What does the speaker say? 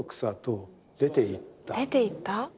出ていった？